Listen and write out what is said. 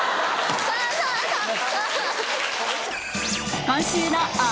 そうそうそう！